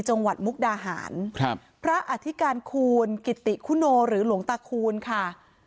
มุกดาหารครับพระอธิการคูณกิติคุโนหรือหลวงตาคูณค่ะ